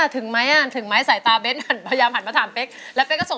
ต่อจากนี้เป็นแล้วแหละ